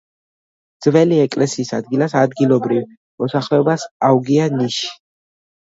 ძველი ეკლესიის ადგილას ადგილობრივ მოსახლეობას აუგია ნიში.